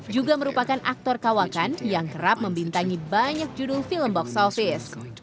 juga merupakan aktor kawakan yang kerap membintangi banyak judul film box office